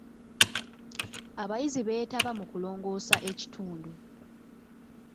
Abayizi beetaba mu kulongoosa ekitundu.